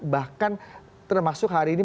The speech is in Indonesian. bahkan termasuk hari ini